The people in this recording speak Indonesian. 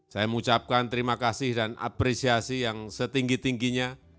saya mengucapkan terima kasih dan apresiasi yang setinggi tingginya